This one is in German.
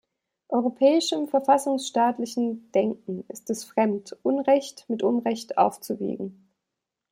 Europäischem verfassungsstaatlichen Denken ist es fremd, Unrecht mit Unrecht aufzuwiegen.